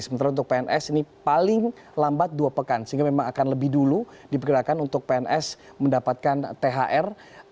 sementara untuk pns ini paling lambat dua pekan sehingga memang akan lebih dulu diperkirakan untuk pns mendapatkan thr